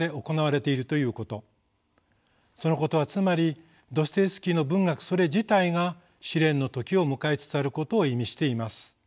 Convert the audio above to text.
そのことはつまりドストエフスキーの文学それ自体が試練の時を迎えつつあることを意味しています。